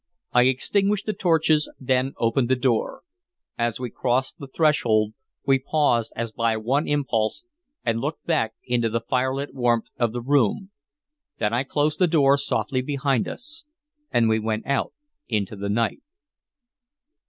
I extinguished the torches, then opened the door. As we crossed the threshold, we paused as by one impulse and looked back into the firelit warmth of the room; then I closed the door softly behind us, and we went out into the night.